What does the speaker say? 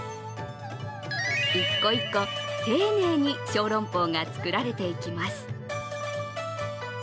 一個一個、丁寧にショーロンポーが作られていきます。